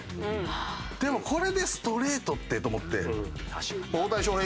でもこれでストレートってと思って。